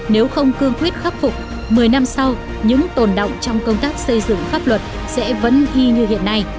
nếu không cương quyết khắc phục một mươi năm sau những tồn động trong công tác xây dựng pháp luật sẽ vẫn thi như hiện nay